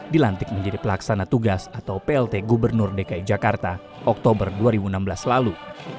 dilantik menjadi pelaksana tugas atau plt gubernur dki jakarta oktober dua ribu enam belas lalu